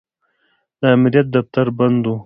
د امریت دفتر بند و.